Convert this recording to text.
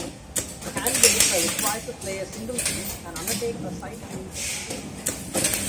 Candidates are required to play a single piece and undertake a sight-reading test.